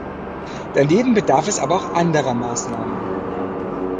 Daneben bedarf es aber auch anderer Maßnahmen.